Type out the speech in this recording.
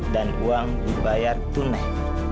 dan uang dibayar tunai